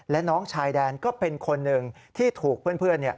และน้องชายแดนก็เป็นคนหนึ่งที่ถูกเพื่อน